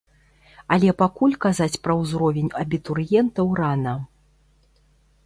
Але пакуль казаць пра ўзровень абітурыентаў рана.